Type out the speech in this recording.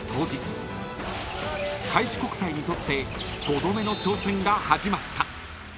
［開志国際にとって５度目の挑戦が始まった］